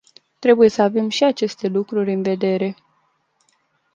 Trebuie să avem și aceste lucruri în vedere.